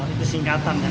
itu singkatan ya